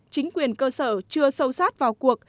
chính quyền cơ sở chưa sâu sát vào cuộc